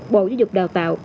bộ giáo dục đào tạo